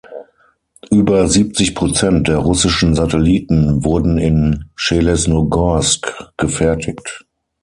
Über siebzig Prozent der russischen Satelliten wurden in Schelesnogorsk gefertigt.